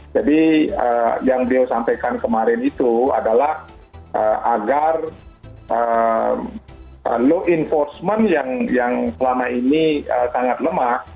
jadi yang beliau sampaikan kemarin itu adalah agar law enforcement yang selama ini sangat lemah